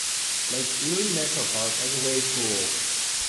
Lake Erie Metropark has a wave pool.